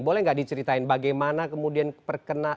boleh nggak diceritain bagaimana kemudian perkenalan